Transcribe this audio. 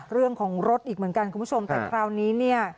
เรื่องของรถอีกเหมือนกันคุณผู้ชมแต่คราวนี้เนี่ย